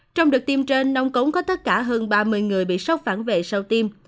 trong đợt tiêm trên nông cống có tất cả hơn ba mươi người bị sốc phản vệ sau tim